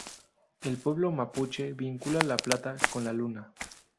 El pueblo mapuche vincula la plata con la luna.